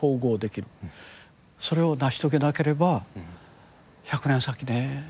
それを成し遂げなければ１００年先ね